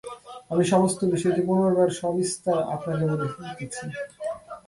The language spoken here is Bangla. আমি সমস্ত বিষয়টি পুনর্বার সবিস্তার আপনাকে বলিতেছি।